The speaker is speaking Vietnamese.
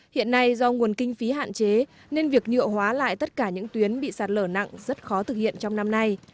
hiện nay do nguồn kinh phí hạn chế nên việc nhựa hóa lại tất cả những tuyến bị sạt lở nặng rất khó thực hiện trong năm nay